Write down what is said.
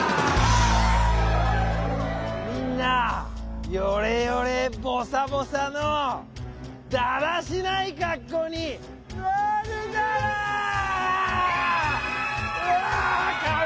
みんなヨレヨレボサボサのだらしないかっこうになるダラ！わ！